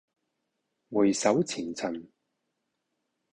回首前塵